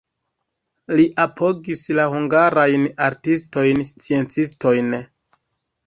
Li apogis la hungarajn artistojn, sciencistojn.